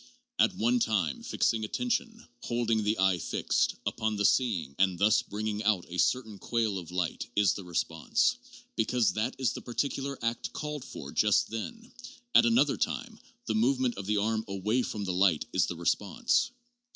At one time, fixing attention, holding the eye fixed, upon the seeing and thus bringing out a certain quale of light is the response, because that is the par ticular act called for just then ; at another time, the movement of the arm away from the light is the response.